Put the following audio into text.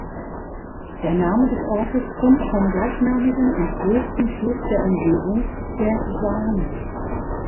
Der Name des Ortes kommt vom gleichnamigen und grössten Fluss der Umgebung, der Saane.